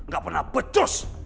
gak pernah pecus